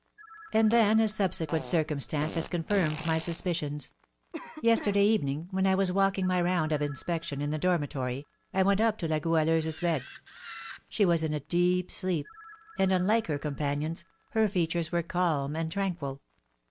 "And then a subsequent circumstance has confirmed my suspicions. Yesterday evening, when I was walking my round of inspection in the dormitory, I went up to La Goualeuse's bed. She was in a deep sleep, and, unlike her companions, her features were calm and tranquil.